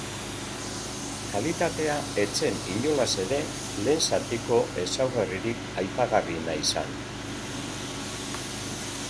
Kalitatea ez zen inolaz ere lehen zatiko ezaugarririk aipagarriena izan.